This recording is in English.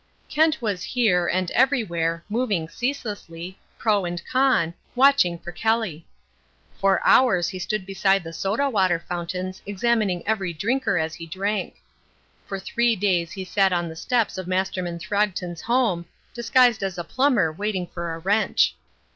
Kent was here, and everywhere, moving ceaselessly, pro and con, watching for Kelly. For hours he stood beside the soda water fountains examining every drinker as he drank. For three days he sat on the steps of Masterman Throgton's home, disguised as a plumber waiting for a wrench.